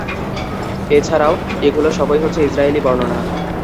এ ছাড়াও এগুলো সবই হচ্ছে ইসরাঈলী বর্ণনা।